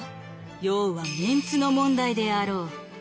要はメンツの問題であろう。